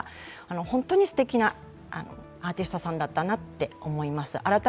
本当にすてきなアーティストさんだったなと思いました。